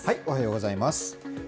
おはようございます。